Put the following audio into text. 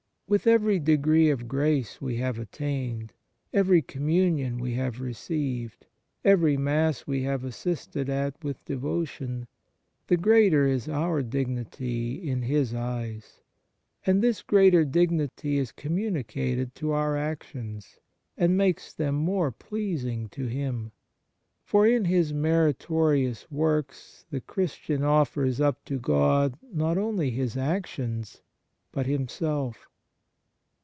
With every degree of grace we have attained, every Communion we have re ceived, every Mass we have assisted at with devotion, the greater is our dignity in His eyes; and this greater dignity is communicated to our actions, and makes them more pleasing to Him. For in his meritorious works the Christian offers up to God not only his actions, but himself.